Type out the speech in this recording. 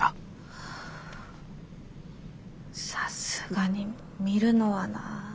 さすがに見るのはなぁ。